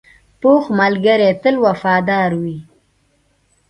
پوخ ملګری تل وفادار وي